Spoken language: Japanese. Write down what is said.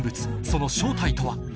その正体とは？